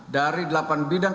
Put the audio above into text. dari delapan bidang keahlian